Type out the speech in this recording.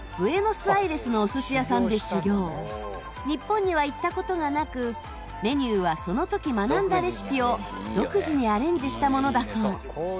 日本には行った事がなくメニューはその時学んだレシピを独自にアレンジしたものだそう。